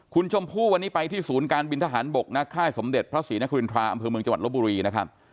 คุณชมพู่วันนี้ไปที่ศูนย์การบินทหารบกนักค่ายสมเด็จพระศรีนครินทราอำเภอเมืองจังหวัดลบบุรีนะครับ